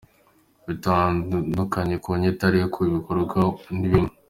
Bitandukanye ku nyito ariko ibikorwa ni bimwe.